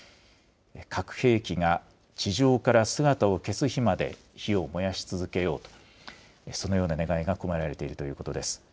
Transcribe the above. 核兵器が地上から姿を消す日まで火を燃やし続けようと、そのような願いが込められているということです。